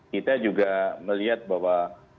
kita juga melihat bahwa